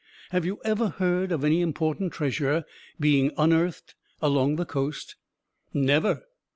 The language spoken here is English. Have you ever heard of any important treasure being unearthed along the coast?" "Never."